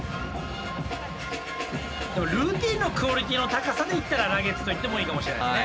ルーティーンのクオリティーの高さでいったらラゲッズと言ってもいいかもしれないですね。